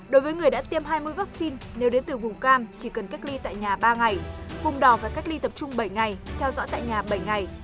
đối với người đã tiêm hai mũi vaccine nếu đến từ vùng cam chỉ cần cách ly tại nhà ba ngày cùng đò và cách ly tập trung bảy ngày theo dõi tại nhà bảy ngày